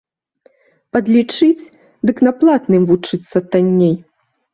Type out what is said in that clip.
Падлічыць, дык на платным вучыцца танней.